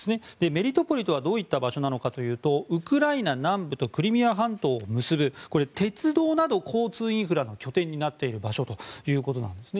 メリトポリとはどういった場所なのかというとウクライナ南部とクリミア半島を結ぶ鉄道など交通インフラの拠点になっている場所ということです。